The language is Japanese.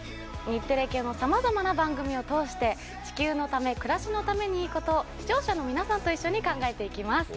日テレ系のさまざまな番組を通して地球のため暮らしのためにいいことを視聴者の皆さんと一緒に考えて行きます。